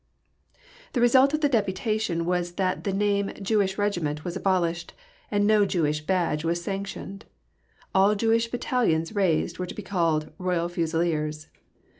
The result of the Deputation was that the name "Jewish Regiment" was abolished, and no Jewish badge was sanctioned. All Jewish Battalions raised were to be called "Royal Fusiliers."